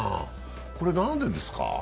これ何でですか？